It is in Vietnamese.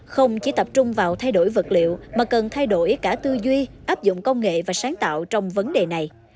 không chỉ tập trung vào thay đổi vật liệu mà cần thay đổi cả tư duy áp dụng công nghệ và sáng tạo trong vấn đề này